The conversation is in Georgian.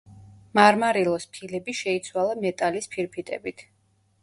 მარმარილოს ფილები შეიცვალა მეტალის ფირფიტებით.